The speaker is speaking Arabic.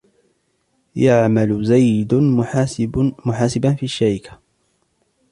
يعمل زيد محاسبًا في الشركة